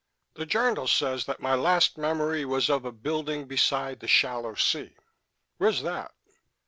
The journal says that my last memory was of a building beside the Shallow Sea." "Where's that?"